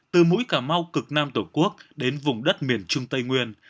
từ mũi cà mau cực nam tổ quốc đến vùng đất miền trung tây nguyên